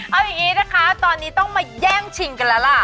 เอาอย่างนี้นะคะตอนนี้ต้องมาแย่งชิงกันแล้วล่ะ